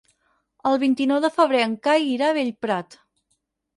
El vint-i-nou de febrer en Cai irà a Bellprat.